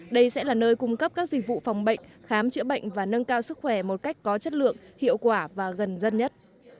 đây sẽ là nơi cung cấp các dịch vụ phòng bệnh khám chữa bệnh và nâng cao sức khỏe một cách có chất lượng hiệu quả và gần dân nhất